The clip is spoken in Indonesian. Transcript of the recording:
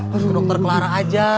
masuk ke dr clara saja